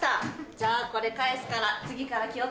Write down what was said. じゃあこれ返すから次から気を付けてね。